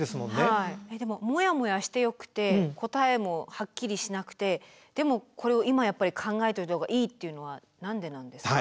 でもモヤモヤしてよくて答えもはっきりしなくてでもこれを今やっぱり考えておいた方がいいっていうのは何でなんですか？